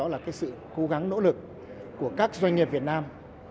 là sự cố gắng nỗ lực của các doanh nghiệp việt nam